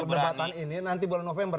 perdebatan ini nanti bulan november